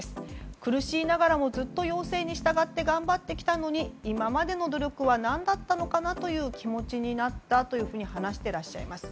苦しいながらもずっと要請に従って頑張ってきたのに今までの努力は何だったのかなという気持ちになったと話していらっしゃいます。